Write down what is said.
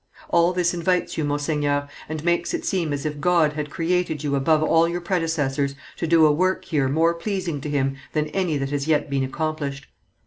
All this invites you, monseigneur, and makes it seem as if God had created you above all your predecessors to do a work here more pleasing to Him than any that has yet been accomplished.